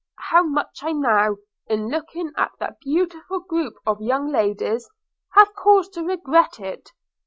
How much I now, in looking at that beautiful group of young ladies, have cause to regret it!